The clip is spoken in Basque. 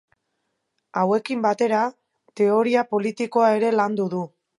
Hauekin batera, teoria politikoa ere landu du.